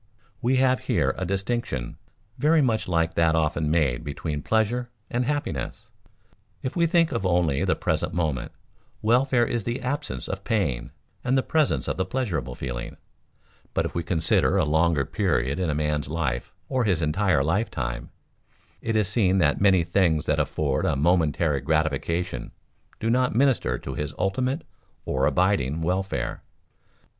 We have here a distinction very much like that often made between pleasure and happiness. If we think of only the present moment, welfare is the absence of pain, and the presence of the pleasureable feeling; but if we consider a longer period in a man's life or his entire lifetime, it is seen that many things that afford a momentary gratification do not minister to his ultimate, or abiding, welfare.